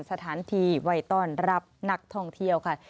สถานที่ไว้ต้อนรับนักท่องเที่ยวค่ะ